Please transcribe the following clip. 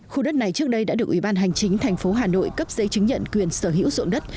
khu đất này trước đây đã được ủy ban hành chính thành phố hà nội cấp giấy chứng nhận quyền sở hữu dụng đất